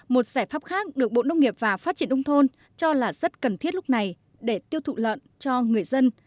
một giải pháp khác được bộ nông nghiệp và phát triển nông thôn cho là rất cần thiết lúc này để tiêu thụ lợn cho người dân